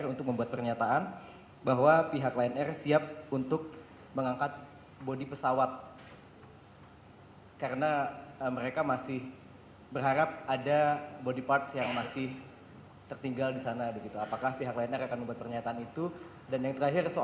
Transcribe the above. untuk komunikasi dengan pihak keluarga